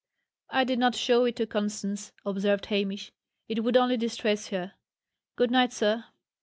"I did not show it to Constance," observed Hamish. "It would only distress her. Good night, sir.